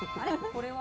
これは？